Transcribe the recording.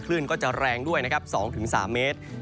คลื่นก็จะแรงด้วยนะครับ๒๓เมตร